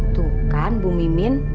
tuh kan bu mimin